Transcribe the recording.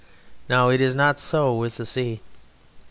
Now, it is not so with the sea.